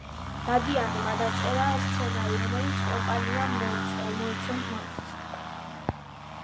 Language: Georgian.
დადიანმა დაწერა სცენარი, რომელიც კომპანიამ მოიწონა.